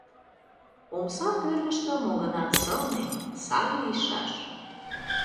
Омса кӧргыштӧ мо-гынат сылне, сай лийшаш.